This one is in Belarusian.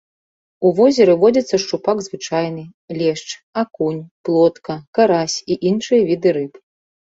У возеры водзяцца шчупак звычайны, лешч, акунь, плотка, карась і іншыя віды рыб.